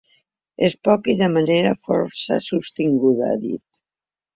“És poc i de manera força sostinguda”, ha dit.